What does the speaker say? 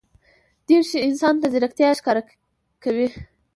دریشي انسان ته ځیرکتیا ښکاره کوي.